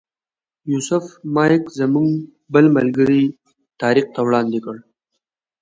یوسف مایک زموږ بل ملګري طارق ته وړاندې کړ.